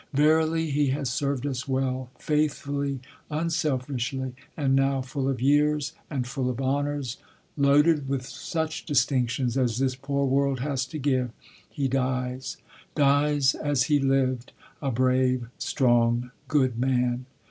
Verily he has served us well, faithfully, unselfishly, and now, full of years and full of honors, loaded with such distinctions as this poor world has to give, he dies, dies as he lived, a brave, strong, good man.